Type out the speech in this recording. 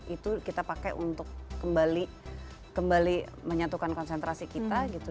itu kita pakai untuk kembali menyatukan konsentrasi kita gitu